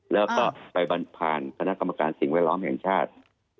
แล้วก็ไปบรรผ่านคณะกรรมการสิ่งแวดล้อมแห่งชาติ